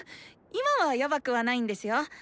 今はヤバくはないんですよ。